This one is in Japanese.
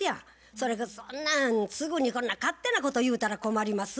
それがそんなんすぐにこんな勝手なこと言うたら困ります。